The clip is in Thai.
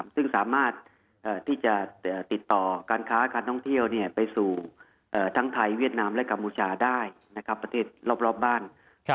ซึ่งสามารถที่จะติดต่อการค้าการท่องเที่ยวไปสู่ทั้งไทยเวียดนามและกัมพูชาได้ประเทศรอบบ้าน